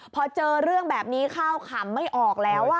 พอเจอเรื่องแบบนี้ข้าวขำไม่ออกแล้ว